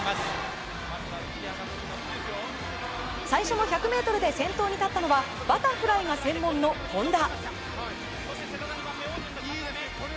最初の１００ｍで先頭に立ったのはバタフライが専門の本多。